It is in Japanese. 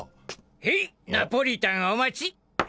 ヘイナポリタンお待ち。